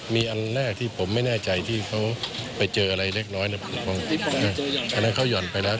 มีอันแรกที่ผมไม่แน่ใจที่เขาไปเจออะไรเล็กน้อย